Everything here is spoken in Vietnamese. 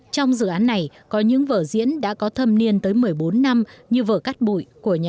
trong dự án này có những vở diễn đã có thâm niên tới một mươi bốn năm như vở cắt bụi của nhà